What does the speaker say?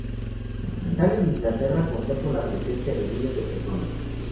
Su funeral en Inglaterra contó con la presencia de miles de personas.